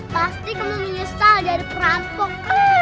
pasti kami menyesal dari perampok